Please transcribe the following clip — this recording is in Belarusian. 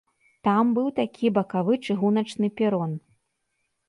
Там быў такі бакавы чыгуначны перон.